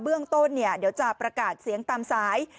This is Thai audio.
เบื้องต้นเดี๋ยวจะประกาศเสียงตามสาย